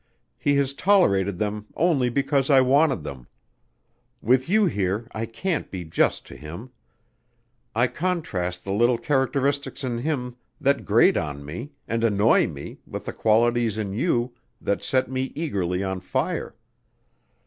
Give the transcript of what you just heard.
He has tolerated them only because I wanted them. With you here I can't be just to him. I contrast the little characteristics in him that grate on me and annoy me with the qualities in you that set me eagerly on fire.